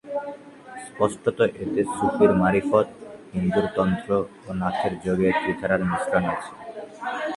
স্পষ্টত এতে সুফির মারিফত, হিন্দুর তন্ত্র ও নাথের যোগ এ ত্রিধারার মিশ্রণ আছে।